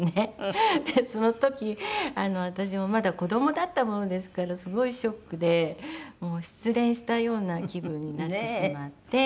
でその時私もまだ子供だったものですからすごいショックで失恋したような気分になってしまって。